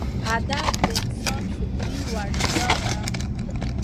ادب د انسان فکري لوړتیا ده.